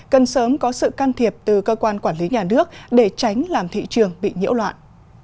cần sớm có sự can thiệp từ cơ quan quản lý nhà nước để tránh làm thị trường bị nhiễu loạn